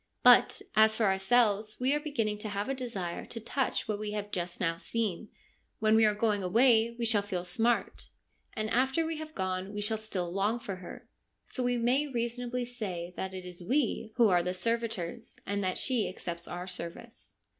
But, as for ourselves we are beginning to have a desire to touch what we have just now seen : when we are going away we shall feel the smart, and after we have 140 FEMINISM IN GREEK LITERATURE gone we shall still long for her. So we may reasonably say that it is we who are the servitors, and that she accepts our service.'